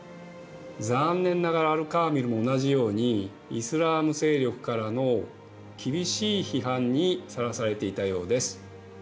残念ながらアル・カーミルも同じようにイスラーム勢力からの厳しい批判にさらされていたようです。